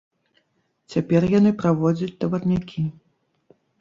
Цяпер яны праводзяць таварнякі.